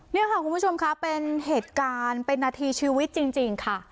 นี่ค่ะคุณผู้ชมค่ะเป็นเหตุการณ์เป็นนาทีชีวิตจริงค่ะ